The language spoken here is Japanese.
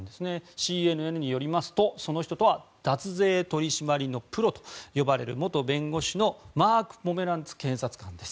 ＣＮＮによりますとその人とは脱税取り締まりのプロといわれる元弁護士のマーク・ポメランツ検察官です。